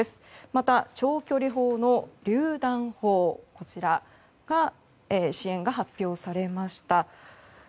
また、長距離砲のりゅう弾砲の支援が発表されました。